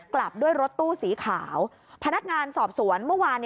กลับด้วยรถตู้สีขาวพนักงานสอบสวนเมื่อวาน